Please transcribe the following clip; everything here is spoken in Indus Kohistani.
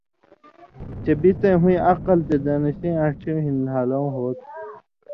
چے بِڅَیں ہُویں عقل تے دانشَیں آنڇھیُوں ہِن نھالؤں ہو تُھو۔